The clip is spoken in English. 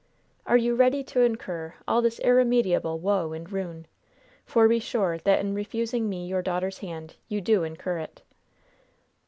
Are you ready to incur all this irremediable woe and ruin? For be sure that in refusing me your daughter's hand, you do incur it."